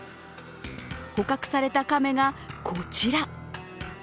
捕獲された亀がこちら。